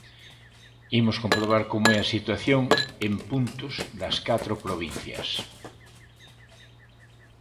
Imos comprobar como é a situación en puntos das catro provincias.